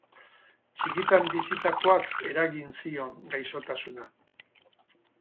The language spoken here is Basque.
Txikitan bizitakoak eragin zion gaixotasuna.